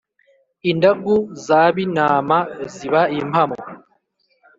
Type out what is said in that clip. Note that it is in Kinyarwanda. Indagu za Binama ziba impamo